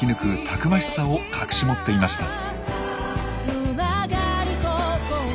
たくましさを隠し持っていました。